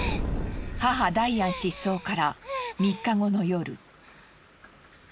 母ダイアン失踪から３日後の夜。